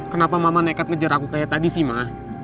kenapa mama nekat ngejar aku kayak tadi sih ma